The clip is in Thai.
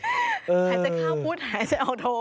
หายใจเข้าพุทธหายใจอัลโท